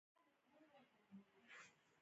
د فراغت تحصیلي سند باید ولري.